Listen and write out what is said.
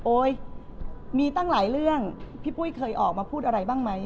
มีตั้งหลายเรื่องพี่ปุ้ยเคยออกมาพูดอะไรบ้างไหม